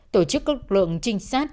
tổ chức các lượng trinh sát